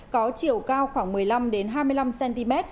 có chiều cao khoảng một mươi năm hai mươi năm cm